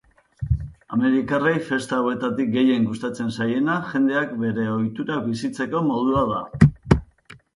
Amerikarrei festa hauetatik gehien gustatzen zaiena jendeak bere ohiturak bizitzeko modua da.